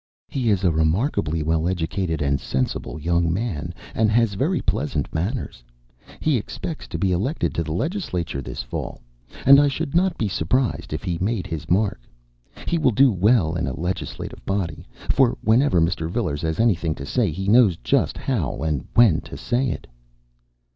"He is a remarkably well educated and sensible young man, and has very pleasant manners. He expects to be elected to the legislature this fall, and I should not be surprised if he made his mark. He will do well in a legislative body, for whenever Mr. Vilars has anything to say he knows just how and when to say it."